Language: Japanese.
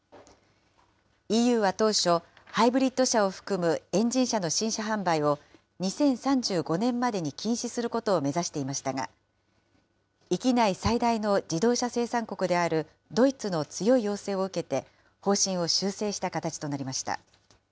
ＥＵは当初、ハイブリッド車を含むエンジン車の新車販売を２０３５年までに禁止することを目指していましたが、域内最大の自動車生産国であるドイツの強い要請を受けて、方針を修正した形となりました。